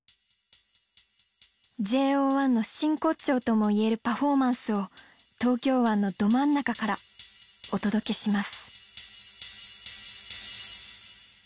ＪＯ１の真骨頂とも言えるパフォーマンスを東京湾のど真ん中からお届けします。